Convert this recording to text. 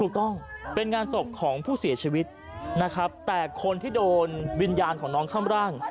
ถูกต้องเป็นงานศพของผู้เสียชีวิตนะครับแต่คนที่โดนวิญญาณของน้องข้ามร่าง